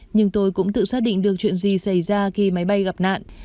nhưng tôi cũng tự xác định được chuyện gì xảy ra khi máy bay gặp nạn